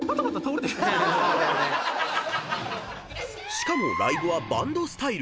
［しかもライブはバンドスタイル］